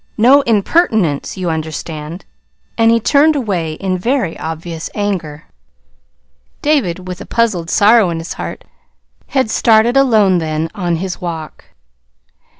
No impertinence, you understand!" And he had turned away in very obvious anger. David, with a puzzled sorrow in his heart had started alone then, on his walk.